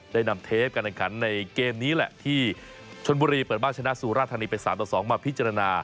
ได้นำเทปการแข่งขันในเกมนี้แหละที่ชนบุรีเปิดบ้านชนะสุราธานีไป๓ต่อ๒มาพิจารณา